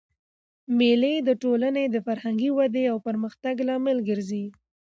مېلې د ټولني د فرهنګي ودئ او پرمختګ لامل ګرځي.